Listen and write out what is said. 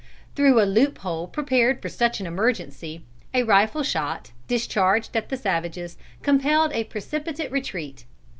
Through a loop hole prepared for such an emergency, a rifle shot, discharged at the savages, compelled a precipitate retreat.